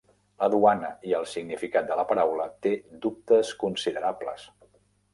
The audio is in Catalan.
La duana i el significat de la paraula té dubtes considerables.